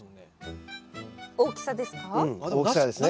大きさですね。